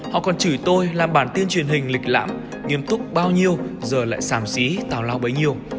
họ còn chửi tôi làm bản tiên truyền hình lịch lạm nghiêm túc bao nhiêu giờ lại xàm xí tào lao bấy nhiêu